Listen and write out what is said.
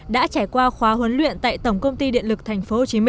đã trải qua khóa huấn luyện tại tổng công ty điện lực tp hcm